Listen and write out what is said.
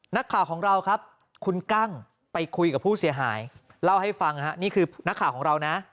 นักข่าวของเราครับคุณกั้งไปคุยกับผู้เสียหายเล่าให้ฟังฮะนี่คือนักข่าวของเรานะ